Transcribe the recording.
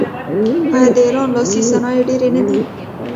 آیا د ایران لاسي صنایع ډیر نه دي؟